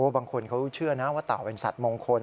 บางคนเขาเชื่อนะว่าเต่าเป็นสัตว์มงคล